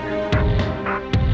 kita kan tetangga ugh